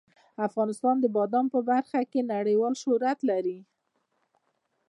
افغانستان د بادام په برخه کې نړیوال شهرت لري.